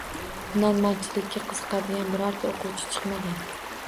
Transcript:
Hunarmandchilikka qiziqadigan birorta o‘quvchi chiqmagan.